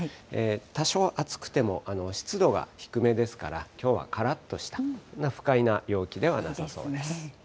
多少暑くても、湿度が低めですから、きょうはからっとした、不快な陽気ではなさそうです。